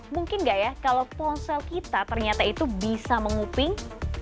mungkin nggak ya kalau ponsel kita ternyata itu bisa menguping